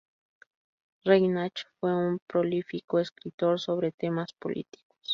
Reinach fue un prolífico escritor sobre temas políticos.